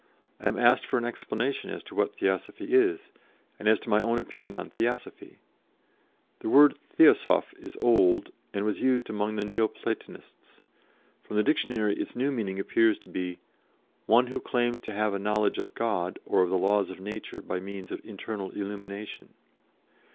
I am asked for an explanation as to what Theosophy is, and as to my own opinion on Theosophy the word 'theosoph' is old, and was used among the Neo platonists. From the dictionary its new meaning appears to be, 'one who claims to have a knowledge of God, or of the laws of nature by means of internal illumination.'